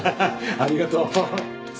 ありがとう。